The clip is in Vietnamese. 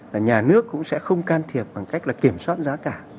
là nhà nước cũng sẽ không can thiệp bằng cách là kiểm soát giá cả